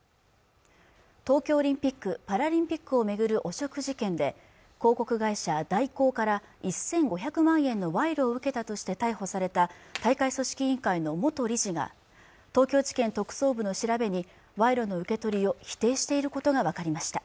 東京オリンピックパラリンピックを巡る汚職事件で広告会社大広から１５００万円の賄賂を受けたとして逮捕された大会組織委員会の元理事が東京地検特捜部の調べに賄賂の受け取りを否定していることが分かりました